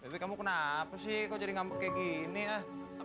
tapi kamu kenapa sih kok jadi ngambek kayak gini ah